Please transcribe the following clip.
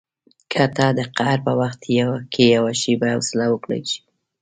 که ته د قهر په وخت کې یوه شېبه حوصله وکړای شې.